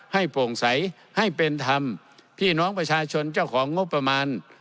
โปร่งใสให้เป็นธรรมพี่น้องประชาชนเจ้าของงบประมาณ